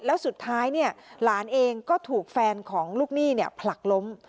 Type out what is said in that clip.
แล้วสุดท้ายหลานเองก็ถูกแฟนของลูกหนี้ผลักล้ม